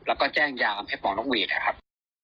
แล้วก็แจ้งยาเพศหมองนกหวีดนะครับ